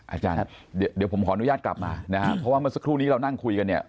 อาจารย์เดี๋ยวผมขออนุญาตกลับมานะครับเพราะว่าเมื่อสักครู่นี้เรานั่งคุยกันเนี่ย